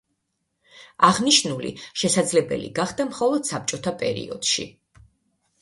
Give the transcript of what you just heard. აღნიშნული შესაძლებელი გახდა მხოლოდ საბჭოთა პერიოდში.